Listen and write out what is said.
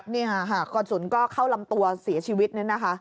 นี่ค่ะกระสุนก็เข้าลำตัวเสียชีวิตเนี่ยนะคะ